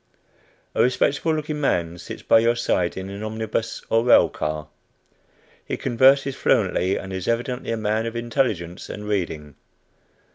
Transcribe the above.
A respectable looking man sits by your side in an omnibus or rail car. He converses fluently, and is evidently a man of intelligence and reading.